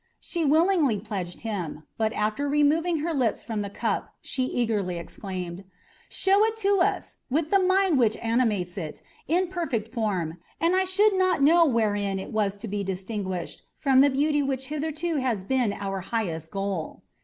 She willingly pledged him, but, after removing her lips from the cup, she eagerly exclaimed: "Show it to us, with the mind which animates it, in perfect form, and I should not know wherein it was to be distinguished from the beauty which hitherto has been our highest goal."